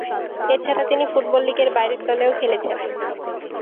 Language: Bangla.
এছাড়া তিনি ফুটবল লীগের বাইরের দলেও খেলেছেন।